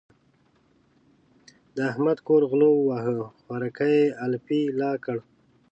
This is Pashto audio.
د احمد کور غلو وواهه؛ خوراکی يې الپی الا کړ.